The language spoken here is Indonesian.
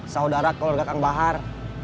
saudara keluarga kang bahar